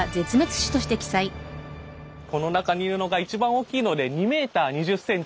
この中にいるのが一番大きいので２ｍ２０ｃｍ。